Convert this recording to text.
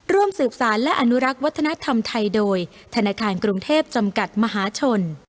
ร่วมสืบสารและอนุรักษ์วัฒนธรรมไทยโดยธนาคารกรุงเทพจำกัดมหาชน